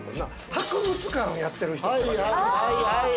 博物館やってる人とか？